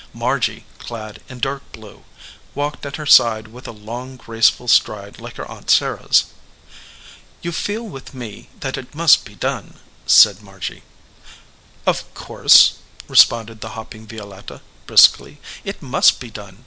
Margy, clad in dark blue, walked at her side with a long grace ful stride like her aunt Sarah s. "You feel with me that it must be done," said Margy. "Of course," responded the hopping Violetta, briskly, "it must be done.